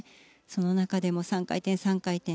その中でも３回転、３回転。